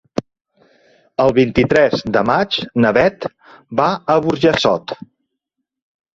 El vint-i-tres de maig na Beth va a Burjassot.